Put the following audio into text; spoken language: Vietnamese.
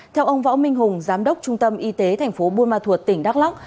theo ông võ minh hùng giám đốc trung tâm y tế tp buôn ma thuột tỉnh đắk lắc